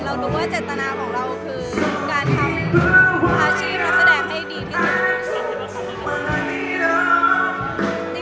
เรารู้ว่าเจตนาของเราคือการทำอาชีพและแสดงไม่ดีที่คุณรู้สึก